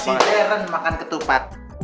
sideren makan ketupat